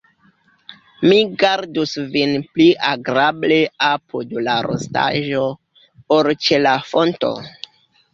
Mi gardus vin pli agrable apud la rostaĵo, ol ĉe la fonto.